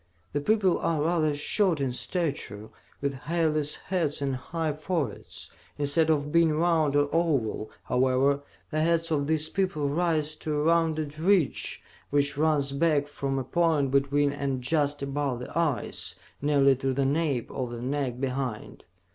The people are rather short in stature, with hairless heads and high foreheads. Instead of being round or oval, however, the heads of these people rise to a rounded ridge which runs back from a point between and just above the eyes, nearly to the nape of the neck behind.